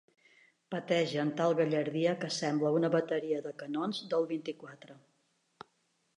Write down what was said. Petege amb tal gallardia que semble una bateria de canons del vint-i-quatre.